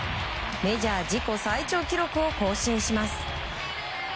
メジャー自己最長記録を更新します。